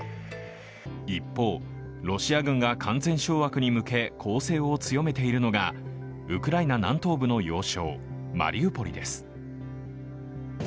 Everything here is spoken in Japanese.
一方、ロシア軍が完全掌握に向け攻勢を強めているのがウクライナ南東部の要衝・マリウポリです。